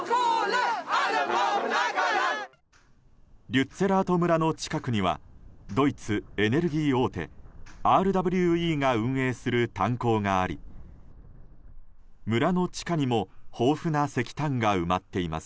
リュッツェラート村の近くにはドイツ、エネルギー大手ＲＷＥが運営する炭鉱があり村の地下にも豊富な石炭が埋まっています。